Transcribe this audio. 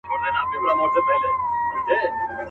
په حضور كي ورته جمع درباريان سول.